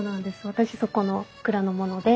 私そこの蔵の者で。